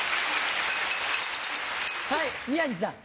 はい宮治さん。